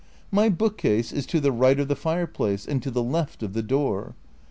My bookcase is to the right of the fireplace and to the left of the door.